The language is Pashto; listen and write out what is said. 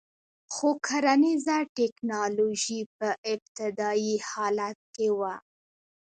خو کرنیزه ټکنالوژي په ابتدايي حالت کې وه